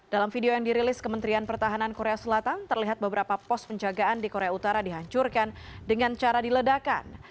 dalam video yang dirilis kementerian pertahanan korea selatan terlihat beberapa pos penjagaan di korea utara dihancurkan dengan cara diledakan